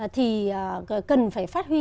thì cần phải phát huy